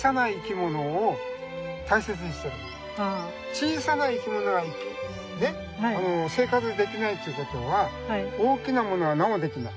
小さな生き物が生活できないということは大きなものはなおできない。